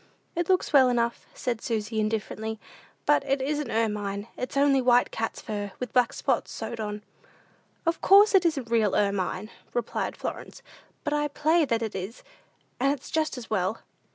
"It looks well enough," said Susy, indifferently, "but it isn't ermine; it's only white cat's fur, with black spots sewed on," "Of course it isn't real ermine!" replied Florence; "but I play that it is, and it's just as well."